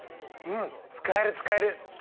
うん使える使える！